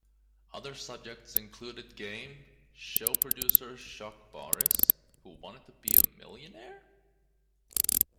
Other subjects included game show producer Chuck Barris, Who Wants To Be a Millionaire?